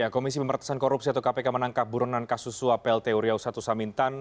komisi pemertasan korupsi atau kpk menangkap buronan kasus suap pltu riau satu samintan